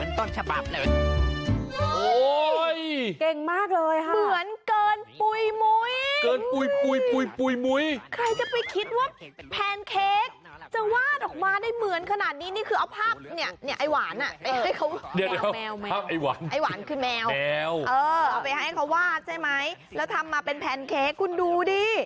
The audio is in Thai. ไอ้หวานคือแมวเออเอาไปให้เขาวาดใช่ไหมแล้วทำมาเป็นแพนเค้กคุณดูดิ